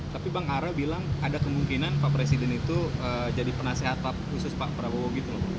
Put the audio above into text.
tapi bang ara bilang ada kemungkinan pak presiden itu jadi penasehat khusus pak prabowo gitu loh